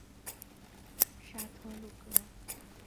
沙托鲁格。